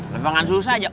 lebangan susah aja